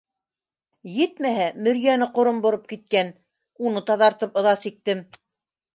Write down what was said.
Етмәһә, мөрйәне ҡором бороп киткән, уны таҙартып ыҙа сиктем.